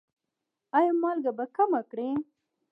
ایا مالګه به کمه کړئ؟